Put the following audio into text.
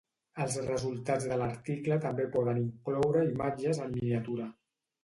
Els resultats de l'article també poden incloure imatges en miniatura.